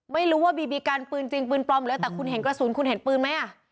ไม่รู้ว่าบีบีกันปืนจริงปืนปลอมเลยแต่คุณเห็นกระสุนคุณเห็นปืนไหมอ่ะ